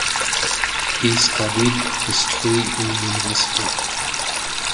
He studied history in University.